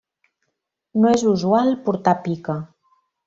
No és usual portar pica.